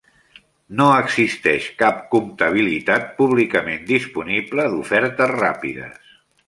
No existeix cap comptabilitat públicament disponible d'ofertes ràpides.